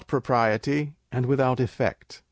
propriety, and without effect.